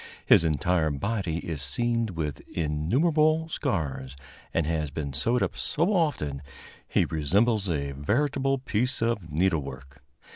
His entire body is seamed with innumerable scars, and has been sewed up so often that he resembles a veritable piece of needlework.